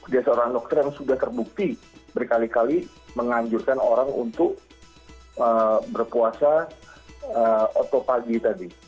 dia seorang dokter yang sudah terbukti berkali kali menganjurkan orang untuk berpuasa otopagi tadi